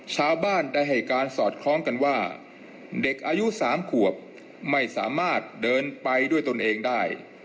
ชาวบ้านได้แสดงพลังงานแสดงการสอดคล้องกันว่าเด็กอายู๓ขวบไม่สามารถเดินไปพลังงานได้